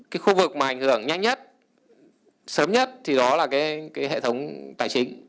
cái khu vực mà ảnh hưởng nhanh nhất sớm nhất thì đó là cái hệ thống tài chính